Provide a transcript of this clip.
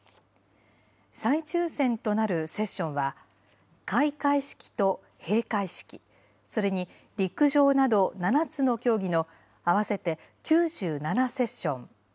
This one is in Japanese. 再抽せんとなるセッションは、開会式と閉会式、それに陸上など７つの競技の合わせて９７セッション。